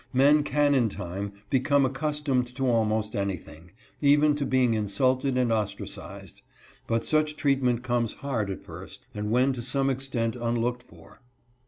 Men can in time become accustomed to almost anything, even to being insulted and ostracised, but such treatment comes hard at first, and when to some extent unlooked for.